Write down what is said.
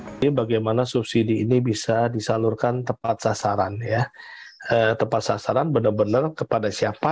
hai ini bagaimana subsidi ini bisa disalurkan tepat sasaran ya tepat sasaran bener bener kepada siapa